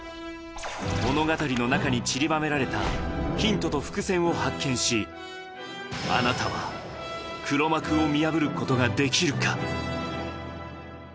物語の中にちりばめられたヒントと伏線を発見し、あなたは黒幕を見破ることができるか？